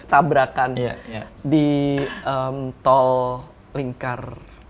tabrakan di tol lingkar